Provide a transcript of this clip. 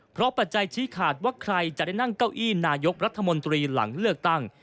เพราะปัจจัยชี้ขาดว่าใครจะได้นั่งเก้าอี้นายกรัฐมนตรีหลังเลือกตั้ง